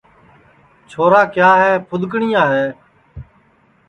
چھورا کیا ہے پُدؔکٹؔیا ہے